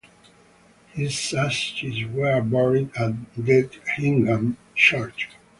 His ashes were buried at Ditchingham Church.